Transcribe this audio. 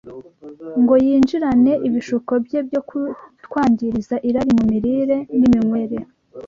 ngo yinjirane ibishuko bye byo kutwangiriza irari mu mirire n’iminywere